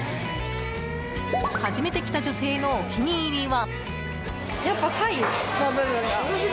初めて来た女性のお気に入りは。